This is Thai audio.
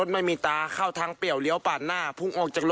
เหมือนป่ะ